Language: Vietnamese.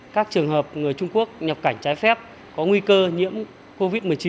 các trường hợp người trung quốc nhập cảnh trái phép có nguy cơ nhiễm covid một mươi chín